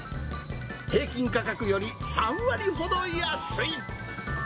平均価格より３割ほど安い。